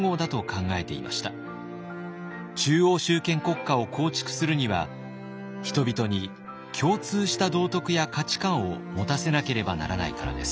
中央集権国家を構築するには人々に共通した道徳や価値観を持たせなければならないからです。